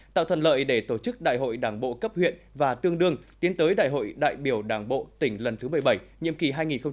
tạo thuận lợi để tổ chức đại hội đảng bộ cấp huyện và tương đương tiến tới đại hội đại biểu đảng bộ tỉnh lần thứ một mươi bảy nhiệm kỳ hai nghìn hai mươi hai nghìn hai mươi năm